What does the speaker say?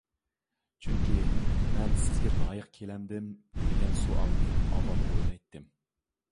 چۈنكى مەن سىزگە لايىق كېلەمدىم؟ دېگەن سوئالنى ئاۋۋال ئويلايتتىم.